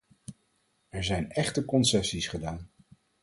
Er zijn echte concessies gedaan.